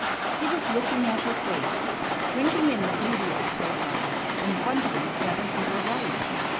He was looking at her face, drinking in the beauty of the profile and wondering whether he were right.